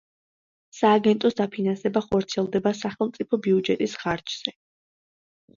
სააგენტოს დაფინანსება ხორციელდება სახელმწიფო ბიუჯეტის ხარჯზე.